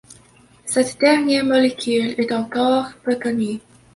Cette dernière molécule est encore peu connue.